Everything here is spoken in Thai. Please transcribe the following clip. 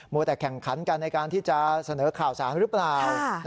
วัวแต่แข่งขันกันในการที่จะเสนอข่าวสารหรือเปล่า